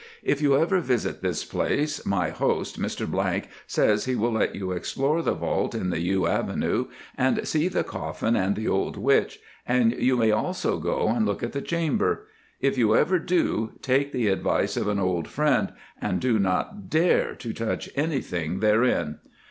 If you ever visit this place, my host, Mr ⸺, says he will let you explore the vault in the yew avenue, and see the coffin and the old witch, and you may also go and look at the chamber. If you ever do, take the advice of an old friend and do not dare to touch anything therein.